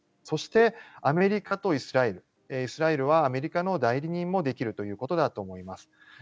そしてアメリカとイスラエルイスラエルはアメリカの代理人もできるということだと思います。